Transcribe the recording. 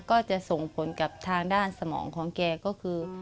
ก็จะส่งผลกับทางด้านสมองของแกก็คือ